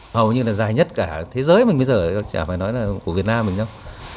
hầu như là dài nhất cả thế giới mình bây giờ chả phải nói là của việt nam mình đâu